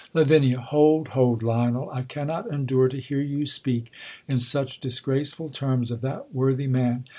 Lav, Hold, hold, Lionel! I cannot endure to hear you speak in such disgraceful terms of that worthy man.